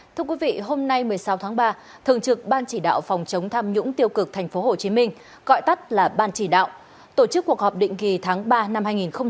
thưa quý vị hôm nay một mươi sáu tháng ba thường trực ban chỉ đạo phòng chống tham nhũng tiêu cực tp hcm gọi tắt là ban chỉ đạo tổ chức cuộc họp định kỳ tháng ba năm hai nghìn hai mươi